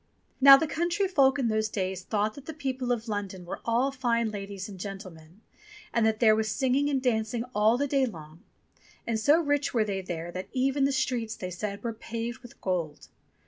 Now the country folk in those days thought that the people of London were all fine ladies and gentlemen, and that there was singing and dancing all the day long, and so rich were they there that even the streets, they said, were paved with gold.